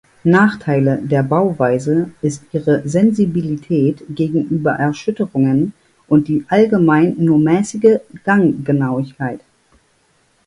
Nachteile der Bauweise ist ihre Sensibilität gegenüber Erschütterungen und die allgemein nur mäßige Ganggenauigkeit.